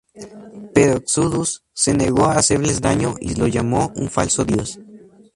Pero Exodus se negó a hacerles daño y lo llamó un "falso dios".